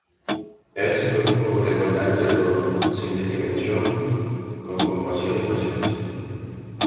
Él se preocupa por la igualdad entre todos, sin discriminación, con compasión y paciencia.